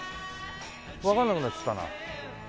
わかんなくなっちゃったな。